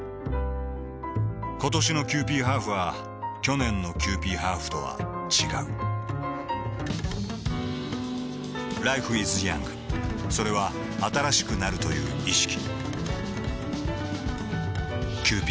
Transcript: ことしのキユーピーハーフは去年のキユーピーハーフとは違うＬｉｆｅｉｓｙｏｕｎｇ．それは新しくなるという意識